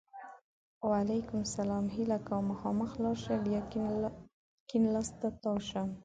وعلیکم سلام! هیله کوم! مخامخ لاړ شه! بیا کیڼ لاس ته تاو شه!